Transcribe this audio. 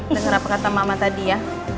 dengan apa kata mama tadi ya